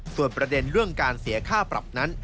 ส่วนประเด็นเรื่องการเสียค่าปรับนั้น